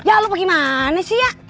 ya lu pergi mana sih ya